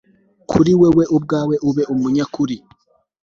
kuri wewe ubwawe ube umunyakuri